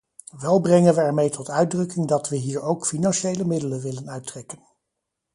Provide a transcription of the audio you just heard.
Wel brengen we ermee tot uitdrukking dat we hier ook financiële middelen willen uittrekken.